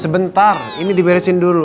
sebentar ini diberesin dulu